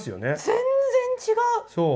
全然、違う！